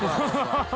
ハハハ！